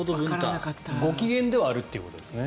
ご機嫌ではあるということですね。